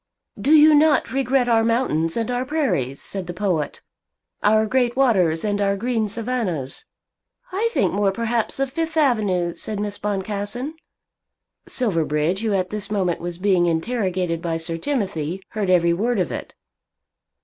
"Do you not regret our mountains and our prairies," said the poet; "our great waters and our green savannahs?" "I think more perhaps of Fifth Avenue," said Miss Boncassen. Silverbridge, who at this moment was being interrogated by Sir Timothy, heard every word of it.